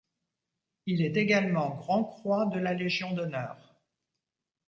Il est également grand croix de la Légion d'honneur.